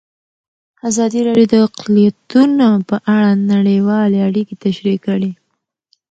ازادي راډیو د اقلیتونه په اړه نړیوالې اړیکې تشریح کړي.